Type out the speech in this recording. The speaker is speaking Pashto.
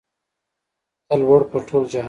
ته لوړ په ټول جهان